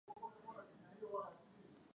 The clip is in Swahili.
Ongeza kidogo sukari.